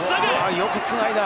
よくつないだ。